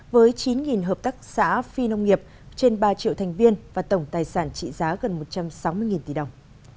với chín hợp tác xã phi nông nghiệp trên ba triệu thành viên và tổng tài sản trị giá gần một trăm sáu mươi tỷ đồng